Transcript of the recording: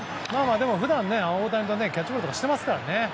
でも普段、大谷とキャッチボールとかしてますからね。